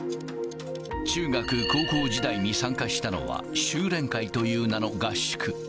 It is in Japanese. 中学、高校時代に参加したのは、修練会という名の合宿。